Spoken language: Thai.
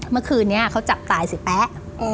เมื่อคืนนี้เขาจับตายเสียแป๊ะ